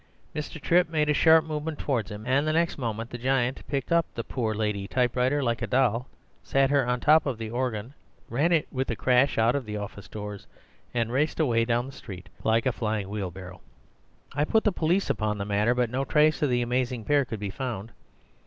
Mr. Trip made a sharp movement towards him, and the next moment the giant picked up the poor lady typewriter like a doll, sat her on top of the organ, ran it with a crash out of the office doors, and raced away down the street like a flying wheelbarrow. I put the police upon the matter; but no trace of the amazing pair could be found.